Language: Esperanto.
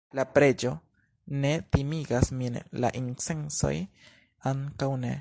la preĝo ne timigas min, la incensoj ankaŭ ne.